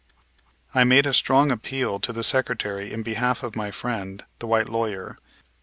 I made a strong appeal to the Secretary in behalf of my friend, the white lawyer.